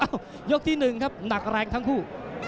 ยกที่๑ครับหนักแรงทั้งคู่